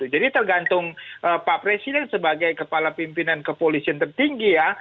jadi tergantung pak presiden sebagai kepala pimpinan kepolisian tertinggi